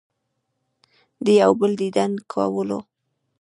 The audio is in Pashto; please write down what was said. د يو بل ديدن کولو